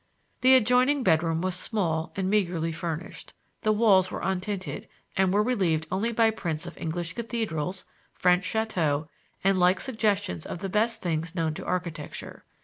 The adjoining bedroom was small and meagerly furnished. The walls were untinted and were relieved only by prints of English cathedrals, French chateaux, and like suggestions of the best things known to architecture.